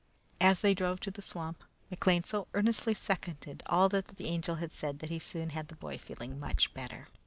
As they drove to the swamp, McLean so earnestly seconded all that the Angel had said that he soon had the boy feeling much better.